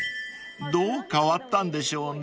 ［どう変わったんでしょうね］